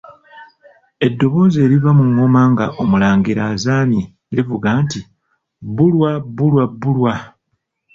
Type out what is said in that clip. Eddoboozi eriva mu Ŋŋoma nga Omulangira azaamye livuga nti Bulwa, Bulwa, Bulwa.